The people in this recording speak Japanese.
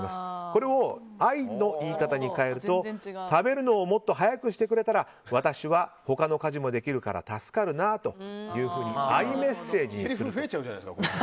これをＩの言い方に変えると食べるのをもっと早くしてくれたら私は他の家事もできるから助かるなというふうにＩメッセージにする。